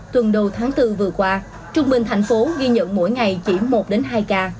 tuần đầu tháng bốn vừa qua trung bình thành phố ghi nhận mỗi ngày chỉ một hai ca